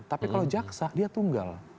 tapi kalau jaksa dia tunggal